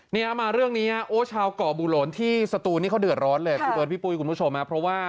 เนี่ยมาเรื่องนี้โอ้ชาวก่อบูโหลนที่สตูนนี่เขาเดือดร้อนเลยพี่เบิร์ดพี่ปุ้ยคุณผู้ชมเพราะว่า